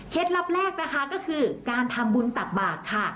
ลับแรกนะคะก็คือการทำบุญตักบาทค่ะ